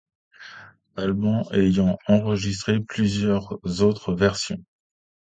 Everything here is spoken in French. Alban ayant enregistré plusieurs autres versions.